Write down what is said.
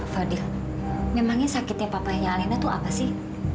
fadl memangnya sakitnya papahnya alina itu apa sih